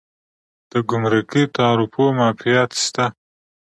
د ګمرکي تعرفو معافیت شته؟